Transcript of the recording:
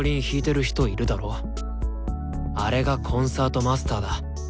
あれがコンサートマスターだ。